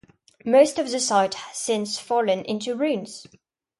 Most of the site has since fallen into ruins.